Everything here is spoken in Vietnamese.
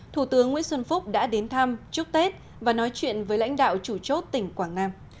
thủ tướng nguyễn xuân phúc đã đến thăm chúc tết và nói chuyện với lãnh đạo chủ chốt tỉnh quảng nam